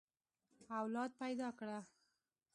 اولاد پيدا کړه.